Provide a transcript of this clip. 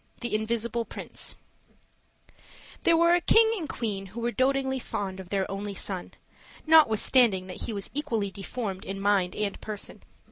THE INVISIBLE PRINCE THERE were a king and queen who were dotingly fond of their only son, notwithstanding that he was equally deformed in mind and person.